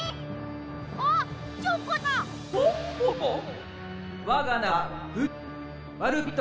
あっチョコタ！